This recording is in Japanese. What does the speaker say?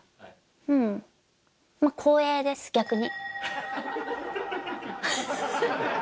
うん、まあ、光栄です、逆に。